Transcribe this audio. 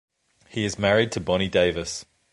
He is married to Bonnie Davis.